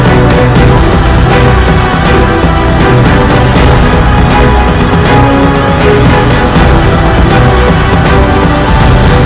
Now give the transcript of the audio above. sementara aku dan juga putra kuala suci